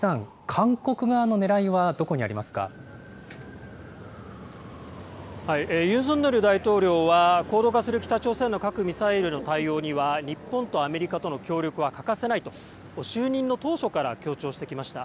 韓国側のねらいはどこユン・ソンニョル大統領は、高度化する北朝鮮の核・ミサイルの対応には日本とアメリカとの協力は欠かせないと、就任の当初から強調してきました。